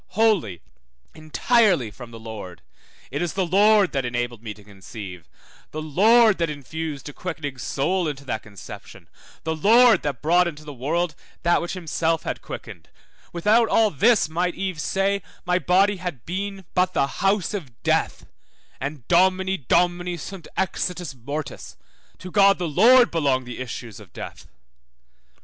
wholly, entirely from the Lord; it is the Lord that enabled me to conceive, the Lord that infused a quickening soul into that conception, the Lord that brought into the world that which himself had quickened; without all this might Eve say, my body had been but the house of death, and Domini Domini sunt exitus mortis, To God the Lord belong the issues of death.